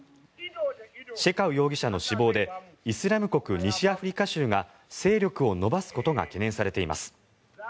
シェカウ容疑者の死亡でイスラム国西アフリカ州が勢力を伸ばすことが懸念されています。